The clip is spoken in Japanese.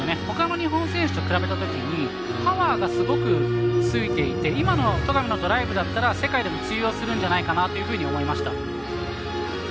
ほかの日本選手と比べたときにパワーがすごくついていて今の戸上のドライブだったら世界でも通用するんじゃないかなと思いました。